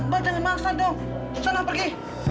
mbak jangan maksa dong sana pergi